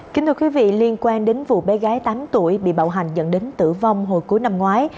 kính thưa quý vị liên quan đến vụ bé gái tám tuổi bị bạo hành dẫn đến tử vong hồi cuối năm ngoái